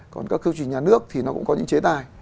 còn các quy trình nhà nước thì nó cũng có những chế tài